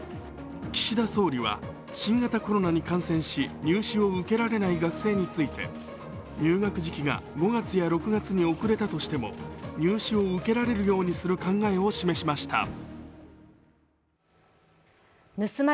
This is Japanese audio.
岸田総理は新型コロナに感染し入試を受けられない学生について入学時期が５月や６月に遅れたとしても入試を受けられるようにする考えを示しました。